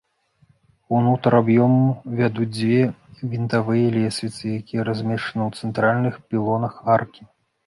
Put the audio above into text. Унутр аб'ёму вядуць дзве вінтавыя лесвіцы, якія размешчаны ў цэнтральных пілонах аркі.